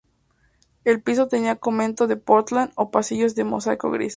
El piso tenía cemento de Pórtland, con pasillos de mosaico gris.